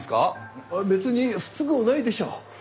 別に不都合ないでしょ。